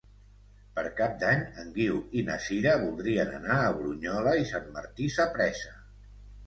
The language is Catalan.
Per Cap d'Any en Guiu i na Sira voldrien anar a Brunyola i Sant Martí Sapresa.